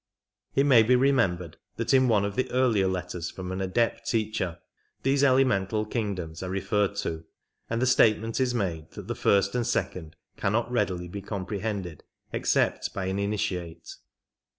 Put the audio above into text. It may be remembered that in one of the earlier letters from an Adept teacher these elemental kingdoms are referred to, and the statement is made that the first and second cannot readily be comprehended except by an Initiate.